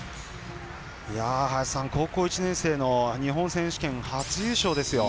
高校１年生の日本選手権初優勝ですよ。